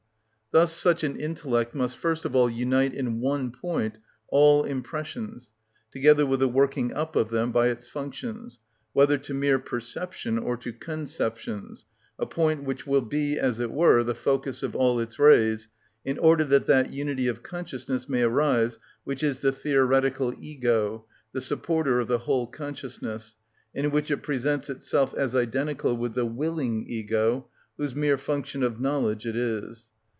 Thus such an intellect must first of all unite in one point all impressions, together with the working up of them by its functions, whether to mere perception or to conceptions, a point which will be, as it were, the focus of all its rays, in order that that unity of consciousness may arise which is the the theoretical ego, the supporter of the whole consciousness, in which it presents itself as identical with the willing ego, whose mere function of knowledge it is.